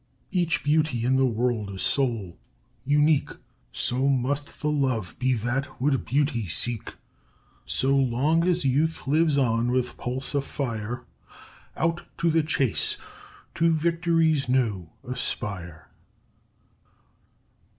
Each Beauty in the world is sole, unique: So must the Love be that would Beauty seek! So long as Youth lives on with pulse afire, Out to the chase! To victories new aspire!"